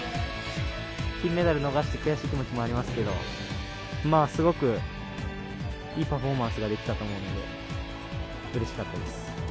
金メダルを逃して悔しい気持ちもありますけど、まあすごく、いいパフォーマンスができたと思うんで、うれしかったです。